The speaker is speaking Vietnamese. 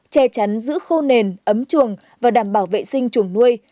che chắn giữ khô nền ấm chuồng và đảm bảo vệ sinh chuồng nuôi